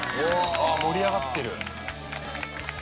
ああ、盛り上がってる。